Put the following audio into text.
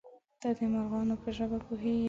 _ته د مرغانو په ژبه پوهېږې؟